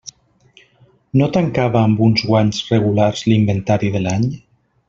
No tancava amb uns guanys regulars l'inventari de l'any?